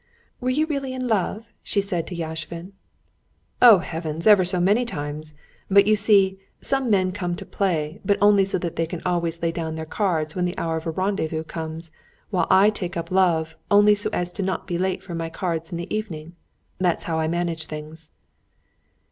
"Were you really in love?" she said to Yashvin. "Oh heavens! ever so many times! But you see, some men can play but only so that they can always lay down their cards when the hour of a rendezvous comes, while I can take up love, but only so as not to be late for my cards in the evening. That's how I manage things."